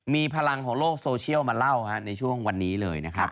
มีพลังของโลกโซเชียลมาเล่าในช่วงวันนี้เลยนะครับ